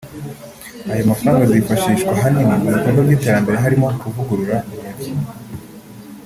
“Aya mafaranga azifashishwa ahanini mu bikorwa by’iterambere harimo kuvugurura umugi